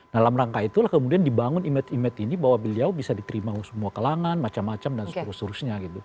dalam rangka itulah kemudian dibangun image image ini bahwa beliau bisa diterima semua kelangan macam macam dan seterusnya gitu